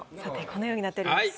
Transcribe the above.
このようになっております。